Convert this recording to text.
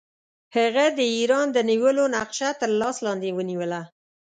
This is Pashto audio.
هغه د ایران د نیولو نقشه تر لاس لاندې ونیوله.